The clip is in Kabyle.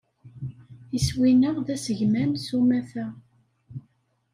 Iswi-nneɣ d assegman, s umata.